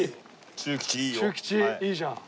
中吉いいじゃん。